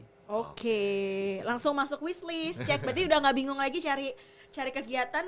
oke langsung masuk wishlist cek berarti udah gak bingung lagi cari kegiatan